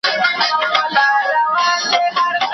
پر دنيا چي خداى كرلي دي قومونه